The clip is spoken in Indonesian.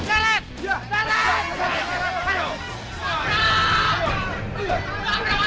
ayo jelet dia keluar